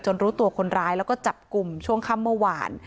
รู้ตัวคนร้ายแล้วก็จับกลุ่มช่วงค่ำเมื่อวาน